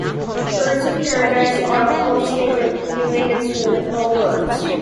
Birds-of-paradise are closely related to the corvids.